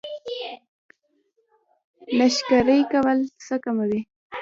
ناشکري کول څه کموي؟